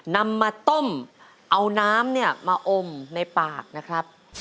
นำมาต้มเอาน้ำเนี่ยมาอมในปากนะครับ